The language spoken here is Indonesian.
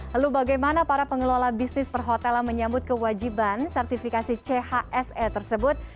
lalu bagaimana para pengelola bisnis perhotelan menyambut kewajiban sertifikasi chse tersebut